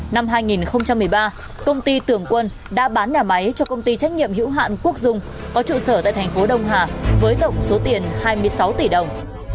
năm hai nghìn một mươi ba công ty tường quân đã bán nhà máy cho công ty trách nhiệm hữu hạn quốc dung có trụ sở tại thành phố đông hà với tổng số tiền hai mươi sáu tỷ đồng